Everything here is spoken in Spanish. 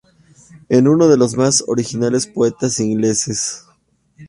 Es uno de los más originales poetas ingleses.